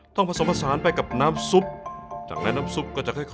ต้องผสมผสานไปกับน้ำซุป